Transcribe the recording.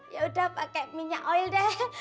ya udah pakai minyak oil deh